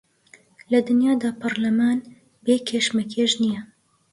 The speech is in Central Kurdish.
لە دنیادا پەرلەمان بێ کێشمەکێش نییە